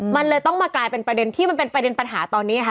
มันเลยต้องมากลายเป็นประเด็นที่มันเป็นประเด็นปัญหาตอนนี้ค่ะ